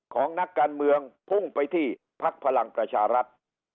ของนักการเมืองพุ่งไปที่พักพลังประชารัฐ